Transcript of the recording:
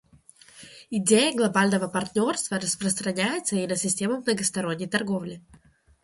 Идея глобального партнерства распространяется и на систему многосторонней торговли.